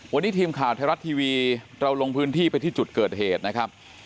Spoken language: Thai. วันนี้ทีมข่าวไทยรัฐทีวีเราลงพื้นที่ไปที่จุดเกิดเหตุนะครับ